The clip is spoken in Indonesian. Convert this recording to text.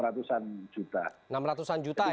rp enam ratus ya pak